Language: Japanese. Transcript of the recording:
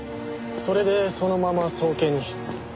それでそのまま送検に。